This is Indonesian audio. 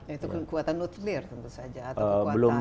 itu kekuatan nutrir tentu saja